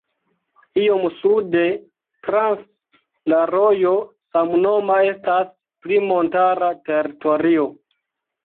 Iom sude, trans la rojo samnoma, estas pli montara teritorio.